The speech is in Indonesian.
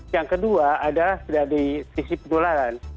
yang kedua adalah dari sisi penularan